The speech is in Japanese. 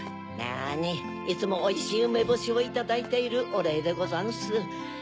なにいつもおいしいうめぼしをいただいているおれいでござんす。